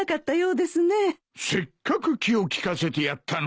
せっかく気を利かせてやったのに。